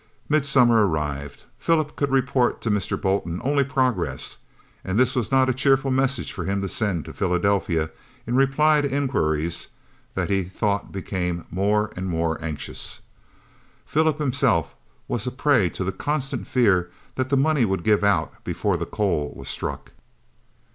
Midsummer arrived: Philip could report to Mr. Bolton only progress, and this was not a cheerful message for him to send to Philadelphia in reply to inquiries that he thought became more and more anxious. Philip himself was a prey to the constant fear that the money would give out before the coal was struck.